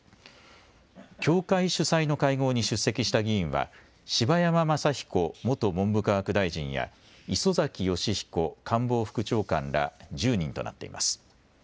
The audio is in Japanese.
教会主催の会合に出席した議員は柴山昌彦元文部科学大臣や磯崎仁彦官房副長官ら１０人となっています。